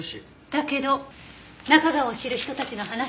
だけど中川を知る人たちの話では。